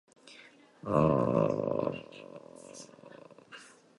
Future late-night talk show host Craig Kilborn served as the team's radio play-by-play announcer.